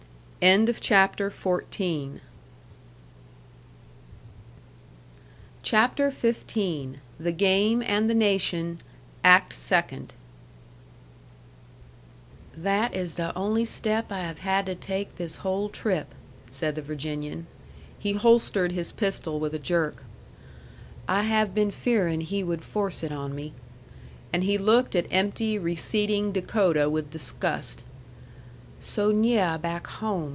XV. THE GAME AND THE NATION ACT SECOND "That is the only step I have had to take this whole trip," said the Virginian. He holstered his pistol with a jerk. "I have been fearing he would force it on me." And he looked at empty, receding Dakota with disgust. "So nyeh back home!"